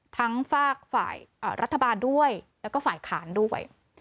ฝากฝ่ายรัฐบาลด้วยแล้วก็ฝ่ายค้านด้วย